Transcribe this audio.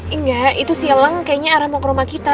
enggak itu silang kayaknya arah mau ke rumah kita